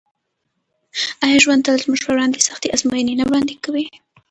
آیا ژوند تل زموږ پر وړاندې سختې ازموینې نه وړاندې کوي؟